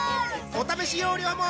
お試し容量も